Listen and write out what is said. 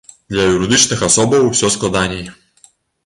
Для юрыдычных асобаў усё складаней.